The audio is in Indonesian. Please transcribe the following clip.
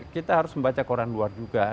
kita harus membaca koran luar juga